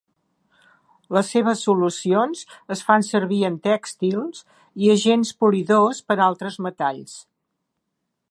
Les seves solucions es fan servir en tèxtils i agents polidors per altres metalls.